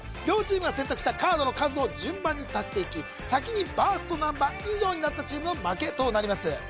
両チームが選択したカードの数を順番に足していき先にバーストナンバー以上になったチームの負けとなります